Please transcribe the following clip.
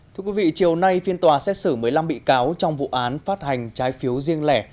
thưa quý vị chiều nay phiên tòa xét xử mới lăng bị cáo trong vụ án phát hành trái phiếu riêng lẻ